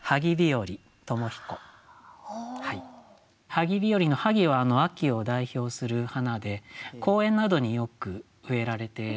「萩日和」の「萩」は秋を代表する花で公園などによく植えられています。